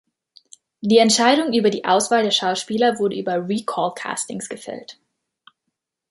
Die Entscheidung über die Auswahl der Schauspieler wurde über Recall-Castings gefällt.